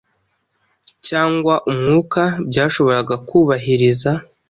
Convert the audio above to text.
cyangwa umwuka byashoboraga kubahiriza